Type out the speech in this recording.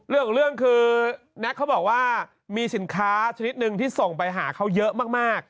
เรื่องคือแน็กเขาบอกว่ามีสินค้าชนิดหนึ่งที่ส่งไปหาเขาเยอะมาก